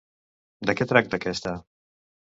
De què tracta aquesta?